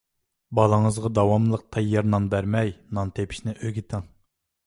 بالىڭىزغا داۋاملىق تەييار نان بەرمەي، نان تېپىشنى ئۆگىتىڭ.